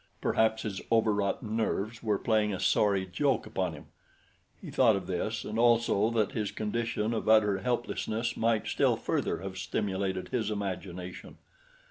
Perhaps his overwrought nerves were playing a sorry joke upon him. He thought of this and also that his condition of utter helplessness might still further have stimulated his imagination.